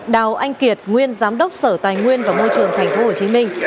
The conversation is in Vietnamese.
đào anh kiệt nguyên giám đốc sở tài nguyên và môi trường tp hcm